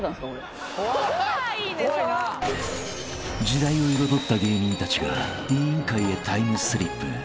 ［時代を彩った芸人たちが『委員会』へタイムスリップ］